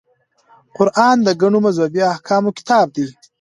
قران د ګڼو مذهبي احکامو کتاب دی.